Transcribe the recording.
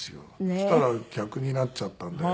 そしたら逆になっちゃったんで。